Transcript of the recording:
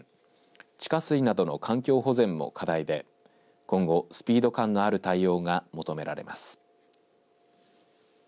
地下水などの環境保全も課題で今後スピード感のある対応が求められます。